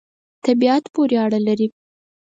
طبعیت پوری اړه لری